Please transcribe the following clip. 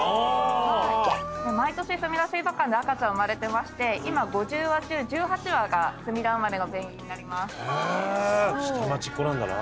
毎年すみだ水族館で赤ちゃん生まれてまして今５０羽中１８羽がすみだ生まれのペンギンになります。